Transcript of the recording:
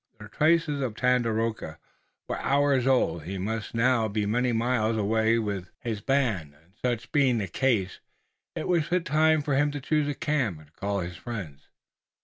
The traces of Tandakora were hours old, and he must now be many miles away with his band, and, such being the case, it was fit time for him to choose a camp and call his friends.